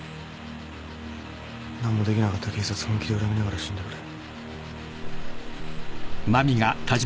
何もできなかった警察本気で恨みながら死んでくれ。